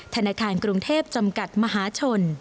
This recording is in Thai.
ธนาคารกรุงเทพจำกัดมหาชน